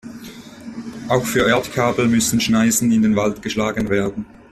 Auch für Erdkabel müssen Schneisen in den Wald geschlagen werden.